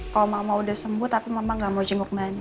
kalau mama udah sembuh tapi memang gak mau jenguk main